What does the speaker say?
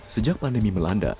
sejak pandemi melanda